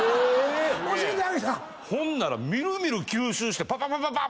ほんなら見る見る吸収してパパパパパパーン！